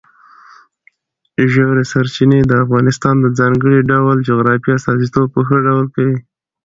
ژورې سرچینې د افغانستان د ځانګړي ډول جغرافیې استازیتوب په ښه ډول کوي.